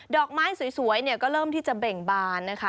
อกไม้สวยเนี่ยก็เริ่มที่จะเบ่งบานนะคะ